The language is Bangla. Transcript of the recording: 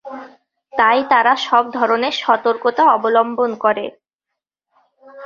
তাই তারা সব ধরনের সতর্কতা অবলম্বন করে।